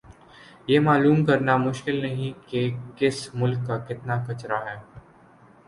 یہ معلوم کرنا مشکل نہیں کہ کس ملک کا کتنا کچرا ھے